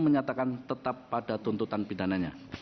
menyatakan tetap pada tuntutan pidananya